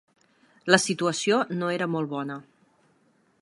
La situació no era molt bona.